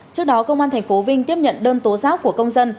trước đó công an thành phố vinh tiếp nhận đơn tố giác của công dân